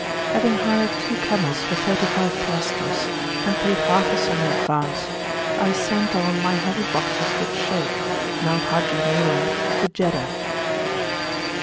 Having hired two camels for thirty five piastres, and paid half the sum in advance, I sent on my heavy boxes with Shaykh, now Haji Nur, to Jeddah.